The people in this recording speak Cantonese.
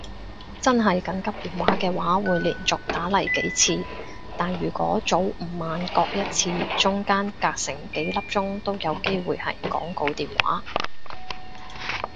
真係緊急電話嘅話會連續打嚟幾次，但如果早午晚各一次中間隔成幾粒鐘都有機會係廣告電話